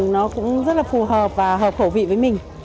nó cũng rất là phù hợp và hợp khẩu vị với mình